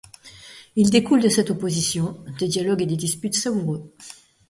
Il découle de cette opposition, des dialogues et des disputes savoureux.